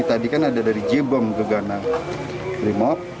tadi kan ada dari jebom kegana rimop